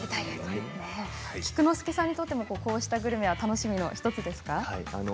菊之助さんにとってもこういうグルメは楽しみの１つですか？